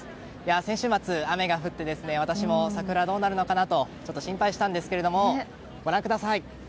先週末、雨が降って私も桜、どうなるのかなと心配したんですが、ご覧ください。